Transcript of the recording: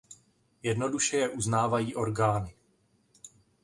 Jednoduše je uznávají orgány.